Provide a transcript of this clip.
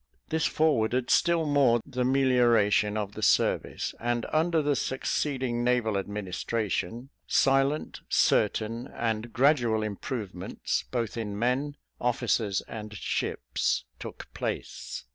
This forwarded still more the melioration of the service, and under the succeeding naval administration, silent, certain, and gradual improvements, both in men, officers, and ships, took place.